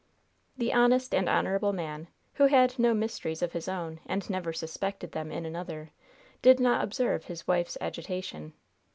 The honest and honorable man, who had no mysteries of his own and never suspected them in another, did not observe his wife's agitation.